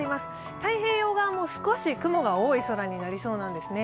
太平洋側も少し雲が多い空になりそうなんですね。